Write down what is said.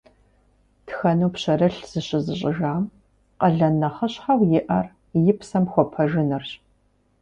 Тхэну пщэрылъ зыщызыщӀыжам къалэн нэхъыщхьэу иӀэр и псэм хуэпэжынырщ.